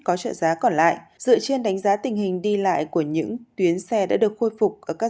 có trợ giá còn lại dựa trên đánh giá tình hình đi lại của những tuyến xe đã được khôi phục ở các